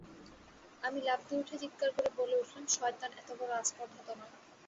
আমি লাফ দিয়ে উঠে চীৎকার করে বলে উঠলুম, শয়তান, এতবড়ো আস্পর্ধা তোমার।